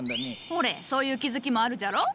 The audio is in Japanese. ほれそういう気付きもあるじゃろ？